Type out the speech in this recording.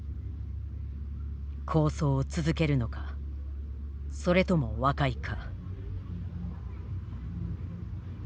抗争を続けるのかそれとも和解か。